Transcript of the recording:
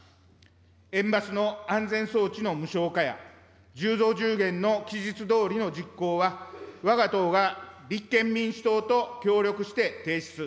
園バスの安全装置の無償化や、１０増１０減の期日どおりの実行は、わが党が立憲民主党と協力して提出。